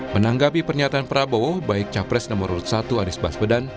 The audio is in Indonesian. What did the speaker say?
menanggapi pernyataan prabowo baik capres nomor urut satu anies baswedan